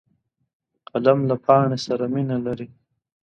قلم له پاڼې سره مینه لري